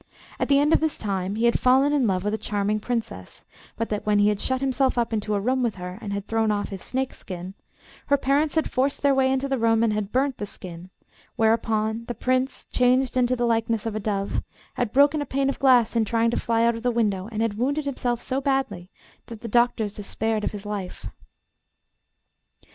At the end of this time he had fallen in love with a charming Princess, but that when he had shut himself up into a room with her, and had thrown off his snake's skin, her parents had forced their way into the room and had burnt the skin, whereupon the Prince, changed into the likeness of a dove, had broken a pane of glass in trying to fly out of the window, and had wounded himself so badly that the doctors despaired of his life.